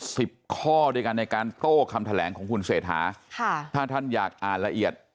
สิบข้อด้วยกันในการโต้คำแถลงของคุณเศรษฐาค่ะถ้าท่านอยากอ่านละเอียด